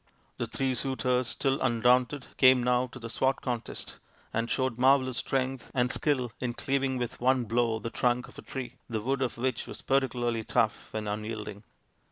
The three suitors, still undaunted, came now to the sword contest, and showed marvellous strength and skill in cleaving with one blow the trunk of a tree, the wood of which was particularly tough and unyielding.